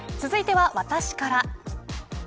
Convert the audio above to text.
続いては私から。